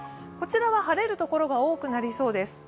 晴れる所が多くなりそうです。